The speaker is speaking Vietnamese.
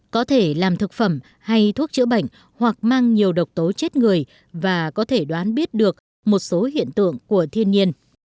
có thể làm thực phẩm hay thuốc chữa bệnh hoặc mang nhiều độc tố chết người và có thể đoán biết được một số hiện tượng của thiên nhiên